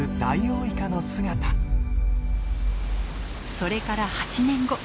それから８年後。